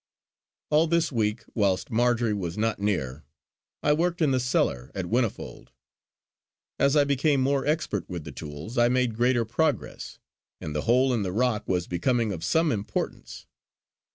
All this week, whilst Marjory was not near, I worked in the cellar at Whinnyfold. As I became more expert with the tools, I made greater progress, and the hole in the rock was becoming of some importance.